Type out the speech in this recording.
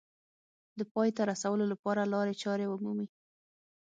د پای ته رسولو لپاره لارې چارې ومومي